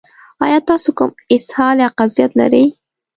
ایا تاسو کوم اسهال یا قبضیت لرئ؟